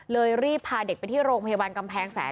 รีบพาเด็กไปที่โรงพยาบาลกำแพงแสน